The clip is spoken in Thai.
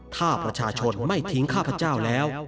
ถ้าประชาชนไม่ทิ้งข้าพเจ้าแล้ว